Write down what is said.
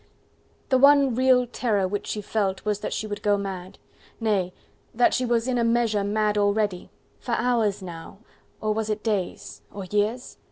The one real terror which she felt was that she would go mad. Nay! that she was in a measure mad already. For hours now, or was it days?... or years?...